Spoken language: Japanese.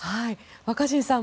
若新さん